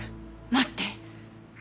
待って！